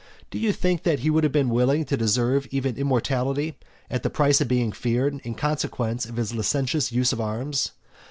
Do you think that he would have been willing to deserve even immortality, at the price of being feared in consequence of his licentious use of arms?